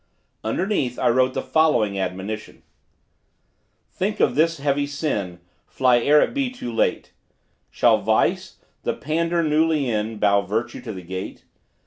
Underneath I wrote the following admonition: "Think of this heavy sin; Fly ere it be too late: Shall vice, the pander, newly in, Bow virtue to the gate?